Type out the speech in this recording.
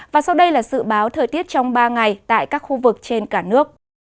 và sau đây là dự báo thời tiết trong ba ngày tại các khu vực trên cả nước